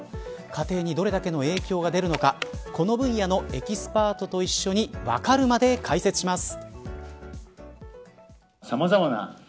家庭にどれだけの影響が出るのかこの分野のエキスパートと一緒にわかるまで解説します。